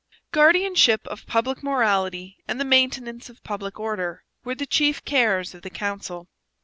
Guardianship of public morality and the maintenance of public order were the chief cares of the council.